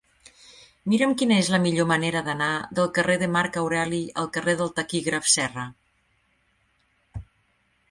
Mira'm quina és la millor manera d'anar del carrer de Marc Aureli al carrer del Taquígraf Serra.